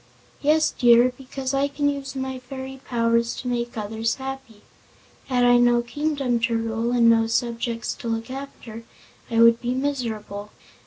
"Yes, dear, because I can use my fairy powers to make others happy. Had I no kingdom to rule, and no subjects to look after, I would be miserable.